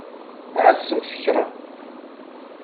Ɛasemt kra!